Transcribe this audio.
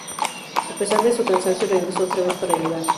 A pesar de su cansancio regresó otra vez para ayudar.